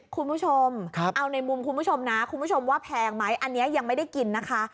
คุณผู้ชมเอาในมุมคุณผู้ชมนะคุณผู้ชมว่าแพงไหมอันนี้ยังไม่ได้กินนะคะ